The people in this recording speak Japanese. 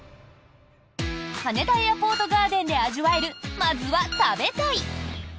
羽田エアポートガーデンで味わえるまずは、食べたい！